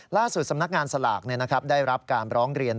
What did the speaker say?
สำนักงานสลากได้รับการร้องเรียน